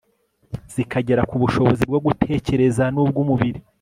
zikagera ku bushobozi bwo gutekereza nubwumubiri